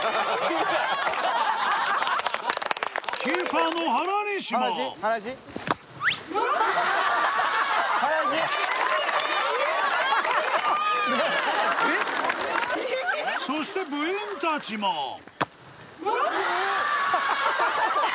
キーパーの原西もそして部員たちもうわ！